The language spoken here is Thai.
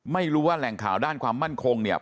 ไม่รู้ว่าแหล่งข่าวด้านความมั่นคงเนี่ย